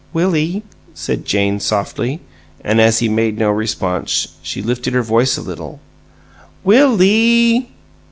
"Willie?" said Jane, softly; and, as he made no response, she lifted her voice a little. "Will ee!"